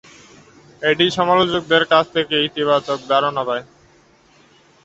পাশাপাশি এটি সমালোচকদের নিকট থেকে ইতিবাচক পর্যালোচনা লাভ করে।